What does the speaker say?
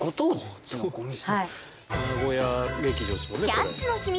「キャッツ」の秘密